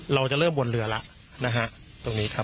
เราจะเริ่มบนเรือแล้วนะฮะตรงนี้ครับ